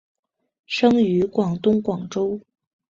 生于广东广州。